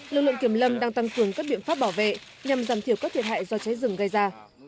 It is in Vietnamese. lực lượng kiểm lâm đang tăng cường các biện pháp bảo vệ nhằm giảm thiểu các thiệt hại do cháy rừng gây ra